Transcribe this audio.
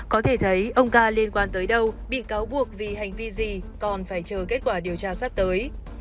có thể thấy ông ca liên quan tới đâu bị cáo buộc vì hành vi gì còn phải chờ kết quả điều tra sắp tới